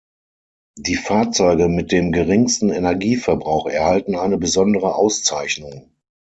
Die Fahrzeuge mit dem geringsten Energieverbrauch erhalten eine besondere Auszeichnung.